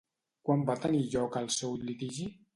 Quan va tenir lloc el seu litigi?